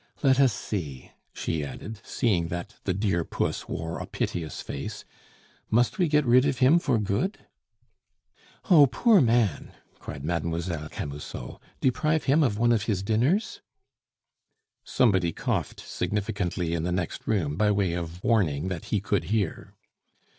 Let us see," she added, seeing that the "dear puss" wore a piteous face; "must we get rid of him for good?" "Oh! poor man!" cried Mlle. Camusot, "deprive him of one of his dinners?" Somebody coughed significantly in the next room by way of warning that he could hear.